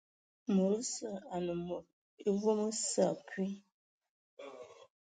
Mod osə anə mod evom sə akwi.